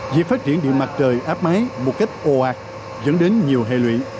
việc phát triển điện mặt trời áp máy một cách ồ ạt dẫn đến nhiều hệ lụy